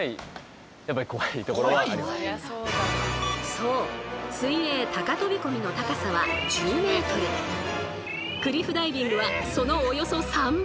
そう水泳高飛び込みの高さはクリフダイビングはそのおよそ３倍！